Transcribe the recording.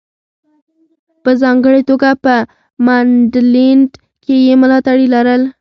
په ځانګړې توګه په منډلینډ کې یې ملاتړي لرل.